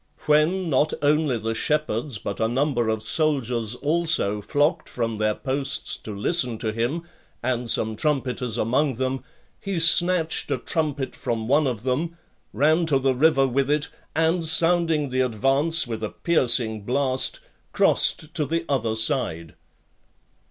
When, not only the shepherds, but a number of soldiers also flocked from their posts to listen to him, and some trumpeters among them, he snatched a trumpet from one of them, ran to the river with it, and sounding the advance with a piercing blast, crossed to the other side.